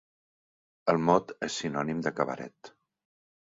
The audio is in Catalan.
El mot és sinònim de cabaret.